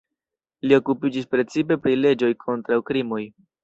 Li okupiĝis precipe pri leĝoj kontraŭ krimoj.